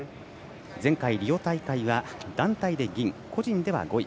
前回リオ大会は団体で銀個人では５位。